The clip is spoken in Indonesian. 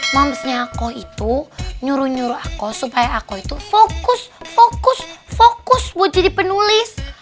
maksudnya aku itu nyuruh nyuruh aku supaya aku itu fokus fokus buat jadi penulis